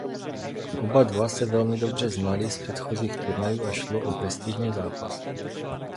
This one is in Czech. Oba dva se velmi dobře znali z předchozích turnajů a šlo o prestižní zápas.